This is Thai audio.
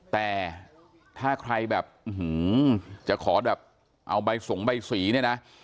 แต่ถ้าใครแบบอื้อหือจะขอแบบเอาใบส่งใบสีนี่นะ